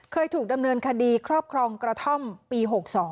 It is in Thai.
เคยถูกดำเนินคดีครอบครองกระท่อมปี๖๒